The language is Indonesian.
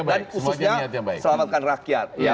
dan khususnya selamatkan rakyat